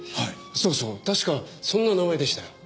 そうそう確かそんな名前でしたよ。